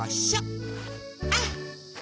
あっ。